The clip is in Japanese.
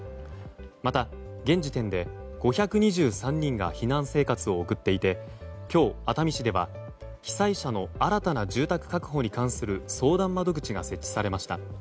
また、現時点で５２３人が避難生活を送っていて今日、熱海市では被災者の新たな住宅確保に関する相談窓口が設置されました。